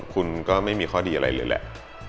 คุณก็ไม่มีข้อดีอะไรเลยแหละ